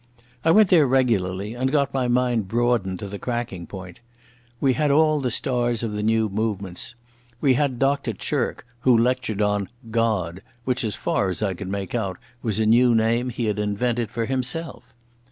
I went there regularly and got my mind broadened to cracking point. We had all the stars of the New Movements. We had Doctor Chirk, who lectured on "God", which, as far as I could make out, was a new name he had invented for himself.